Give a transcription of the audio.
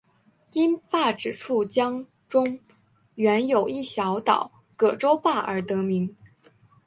因坝址处江中原有一小岛葛洲坝而得名。